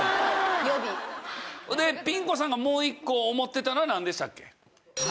予備。でピン子さんがもう一個思ってたのはなんでしたっけ？